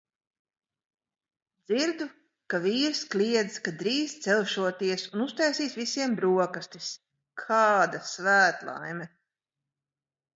Dzirdu, ka vīrs kliedz, ka drīz celšoties un uztaisīs visiem brokastis. Kāda svētlaime!